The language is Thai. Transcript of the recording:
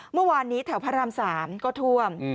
เมื่อวานนี้แถวพระราม๓ก็ท่วม